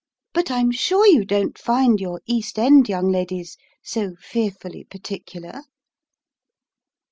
But I'm sure you don't find your East End young ladies so fearfully particular?"